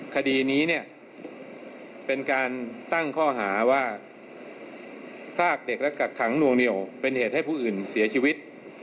คดีนี้เนี่ยเป็นการตั้งข้อหาว่าพรากเด็กและกักขังนวงเหนียวเป็นเหตุให้ผู้อื่นเสียชีวิต